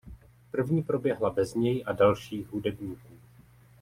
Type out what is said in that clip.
První proběhla bez něj a dalších hudebníků.